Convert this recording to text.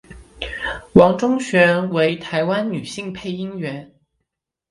王中璇为台湾女性配音员。